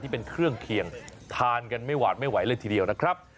เป็นเครื่องเคียงทานกันไม่หวาดไม่ไหวเลยทีเดียวนะครับ